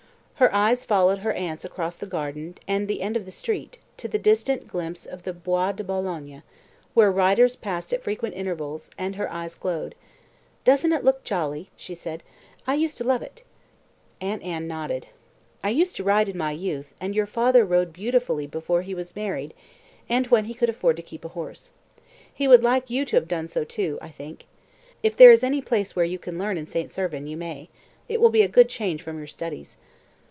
Her eyes followed her aunt's across the garden and the end of the street, to the distant glimpse of the Bois de Boulogne, where riders passed at frequent intervals, and her eyes glowed. "Doesn't it look jolly?" she said. "I used to love it." Aunt Anne nodded. "I used to ride in my youth, and your father rode beautifully before he was married, and when he could afford to keep a horse. He would like you to have done so too, I think. If there is any place where you can learn in St. Servan, you may. It will be a good change from your studies."